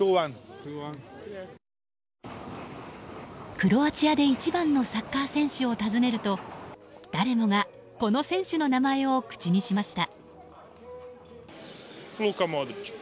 クロアチアで一番のサッカー選手を尋ねると誰もがこの選手の名前を口にしました。